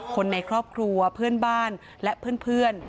คนในครอบครัวเพื่อนบ้านและเพื่อน